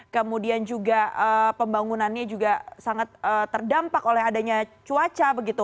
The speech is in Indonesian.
kemudian juga pembangunannya juga sangat terdampak oleh adanya cuaca begitu